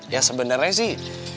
ya sebenernya sih